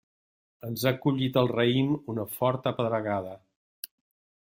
Ens ha collit el raïm una forta pedregada.